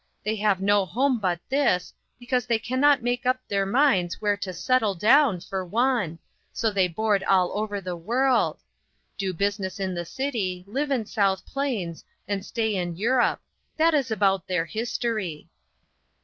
They have no home but this, because they can not make up their minds where to settle down for one, so they board all over the world. Do business in the city, live in South Plains, and stay in Europe ; that is about their history."